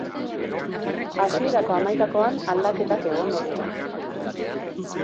Hasierako hamaikakoan aldaketak egongo dira.